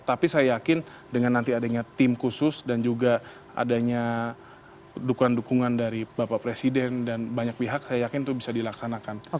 tapi saya yakin dengan nanti adanya tim khusus dan juga adanya dukungan dukungan dari bapak presiden dan banyak pihak saya yakin itu bisa dilaksanakan